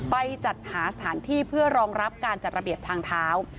ไปจัดหาสถานที่เพื่อรองรับการจัดระเบียบทางเท้า